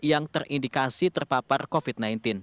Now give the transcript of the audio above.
yang terindikasi terpapar covid sembilan belas